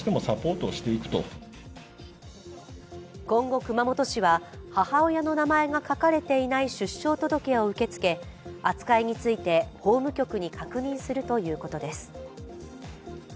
今後、熊本市は母親の名前が書かれていない出生届を受け付け、扱いについて法務局に確認するということです。